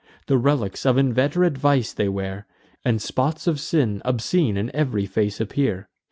The relics of inveterate vice they wear, And spots of sin obscene in ev'ry face appear.